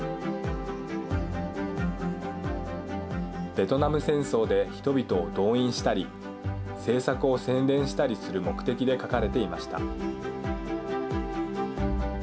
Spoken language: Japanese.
ベトナム戦争で人々を動員したり政策を宣伝したりする目的で描かれていました。